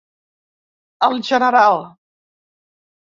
El General.